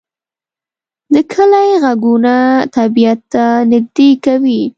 د کلی غږونه طبیعت ته نږدې کوي